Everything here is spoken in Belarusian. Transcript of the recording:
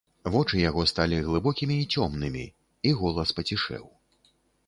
Вочы яго сталі глыбокімі і цёмнымі, і голас пацішэў.